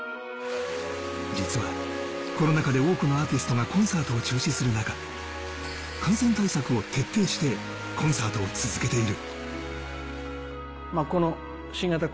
実はコロナ禍で多くのアーティストがコンサートを中止する中、感染対策を徹底してコンサートを続けている。